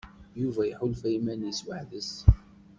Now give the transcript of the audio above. Yuba iḥulfa iman-is weḥd-s.